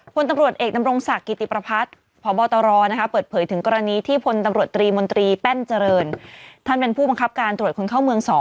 พลตำรวจเอกดำรงศักดิ์กิติประพัฒน์พบตรเปิดเผยถึงกรณีที่พลตำรวจตรีมนตรีแป้นเจริญท่านเป็นผู้บังคับการตรวจคนเข้าเมือง๒